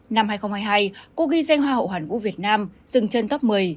năm hai nghìn hai mươi hai cô ghi danh hoa hậu hoàn gú việt nam dừng chân top một mươi